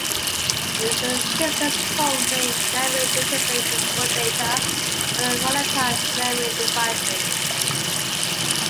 In its simplest form, main memory databases store data on volatile memory devices.